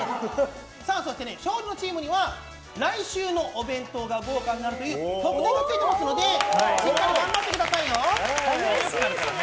そして、勝利のチームには来週のお弁当が豪華になるという特典がついてますのでしっかり頑張ってくださいよ。